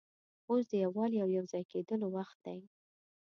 اوس د یووالي او یو ځای کېدلو وخت دی.